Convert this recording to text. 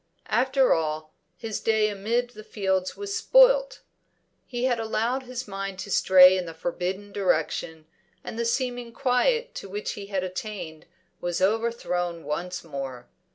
After all, his day amid the fields was spoilt. He had allowed his mind to stray in the forbidden direction, and the seeming quiet to which he had attained was overthrown once more.